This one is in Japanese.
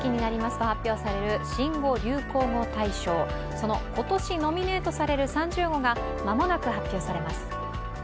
その今年ノミネートされる３０語が間もなく発表されます。